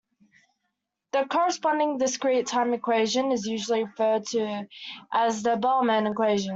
The corresponding discrete-time equation is usually referred to as the Bellman equation.